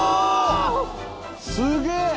すげえ！